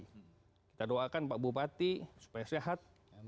kita doakan pak bupati supaya sehat